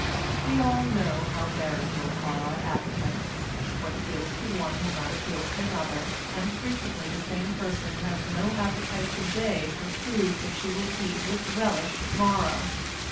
We all know how variable are our appetites. What appeals to one will not appeal to another, and frequently the same person has no appetite to day for food that she will eat with relish to morrow.